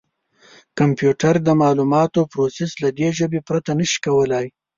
کمپیوټر د معلوماتو پروسس له دې ژبې پرته نه شي کولای.